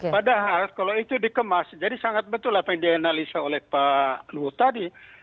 padahal kalau itu dikemas jadi sangat betul apa yang dianalisa oleh pak luhut tadi